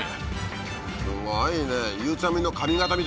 すごいね。